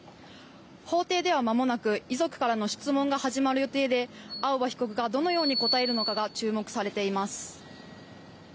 法廷ではまもなく遺族からの質問が始まる予定で青葉被告がどのように答えるのかが注目されています。